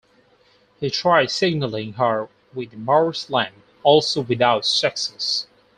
He tried signalling her with the Morse lamp, also without success.